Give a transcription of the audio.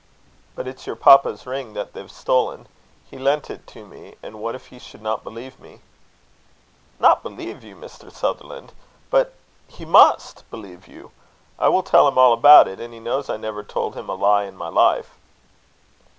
"But it's your papa's ring that they've stolen. He lent it to me, and what if he should not believe me?" "Not believe you, Mr. Sutherland? But he must believe you. I will tell him all about it; and he knows I never told him a lie in my life."